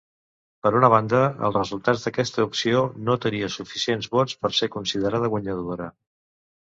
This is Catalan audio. Per una banda, els resultats d'aquesta opció no tenia suficients vots per ser considerada guanyadora.